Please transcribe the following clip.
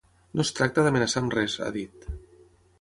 No es tracta d’amenaçar amb res, ha dit.